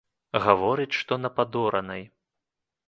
Гаворыць, што на падоранай.